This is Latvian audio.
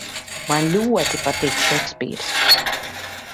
Man ļoti patīk Šekspīrs!